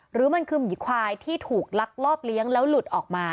หรือมันคือหมีควายที่ถูกลักลอบเลี้ยงแล้วหลุดออกมา